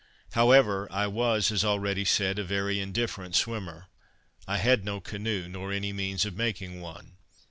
However, I was, as already said, a very indifferent swimmer; I had no canoe, nor any means of making one.